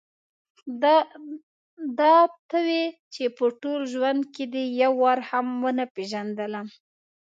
دا ته وې چې په ټول ژوند کې دې یو وار هم ونه پېژندلم.